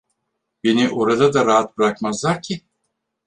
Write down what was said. Beni orada da rahat bırakmazlar ki!